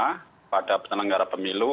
kepada penelenggara pemilu